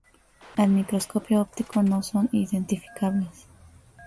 Al microscopio óptico no son identificables.